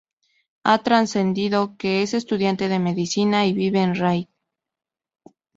Ha trascendido que es estudiante de medicina y vive en Riad.